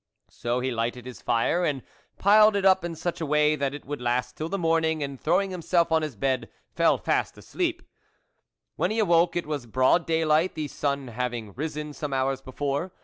So he lighted his fire, and piled it up in such a way that it would last till the morning, and throwing him self on his bed, fell fast asleep. When he THE WOLF LEADER awoke, it was broad daylight, the sun having risen some hours before.